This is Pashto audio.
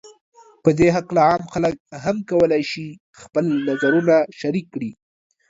په دې هکله عام خلک هم کولای شي خپل نظرونو شریک کړي